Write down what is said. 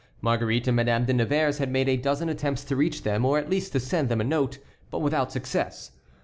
Marguerite and Madame de Nevers had made a dozen attempts to reach them, or at least to send them a note, but without success.